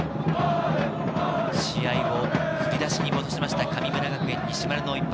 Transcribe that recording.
試合を振り出しに戻しました、神村学園・西丸の一発。